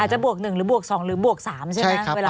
จะบวก๑หรือบวก๒หรือบวก๓ใช่ไหม